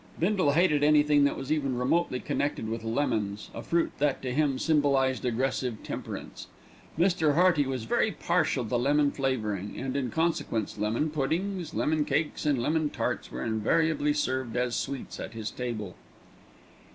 Bindle hated anything that was even remotely connected with lemons, a fruit that to him symbolised aggressive temperance. Mr. Hearty was very partial to lemon flavouring, and in consequence lemon puddings, lemon cakes, and lemon tarts were invariably served as sweets at his table.